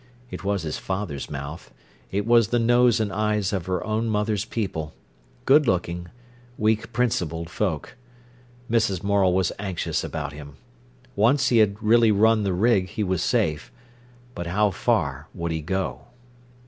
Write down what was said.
It was his father's mouth; it was the nose and eyes of her own mother's people—good looking, weak principled folk. Mrs. Morel was anxious about him. Once he had really run the rig he was safe. But how far would he go?